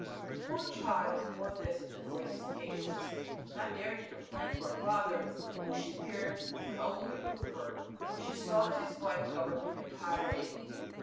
The poor child bore this with the greatest patience, not daring to complain to her father, who, she feared, would only reprove her, for she saw that his wife governed him entirely.